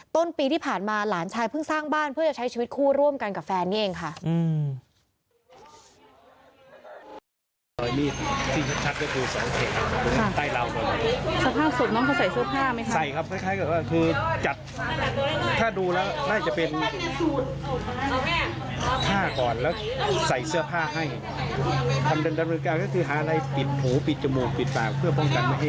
ต้นปีที่ผ่านมาหลานชายเพิ่งสร้างบ้านเพื่อจะใช้ชีวิตคู่ร่วมกันกับแฟนนี่เองค่ะ